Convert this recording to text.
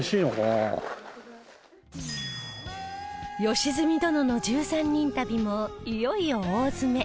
良純殿の１３人旅もいよいよ大詰め